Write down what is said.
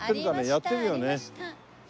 やってるよね？